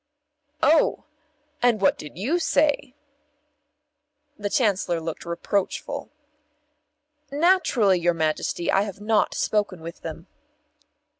"Oh! And what did you say?" The Chancellor looked reproachful. "Naturally, your Majesty, I have not spoken with them."